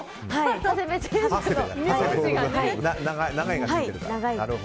長いがついてるから。